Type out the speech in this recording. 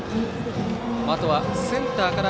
あとはセンターから